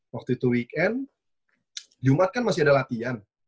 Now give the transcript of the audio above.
waktu itu weekend jumat kan masih ada latihan